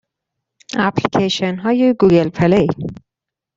اپلیکیشن های گوگل پلی